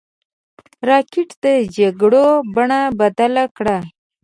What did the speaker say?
راکټ د جګړو بڼه بدله کړه